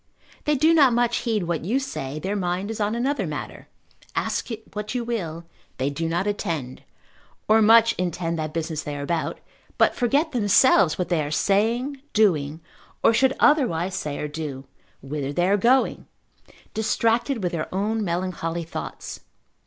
They do not much heed what you say, their mind is on another matter; ask what you will, they do not attend, or much intend that business they are about, but forget themselves what they are saying, doing, or should otherwise say or do, whither they are going, distracted with their own melancholy thoughts.